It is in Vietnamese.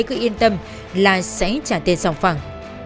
cứ yên tâm là sẽ trả tiền sòng phẳng